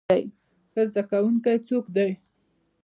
ښه زده کوونکی څوک دی؟